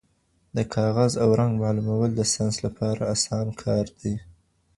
د کاغذ او رنګ معلومول د ساینس لپاره اسان کار دی.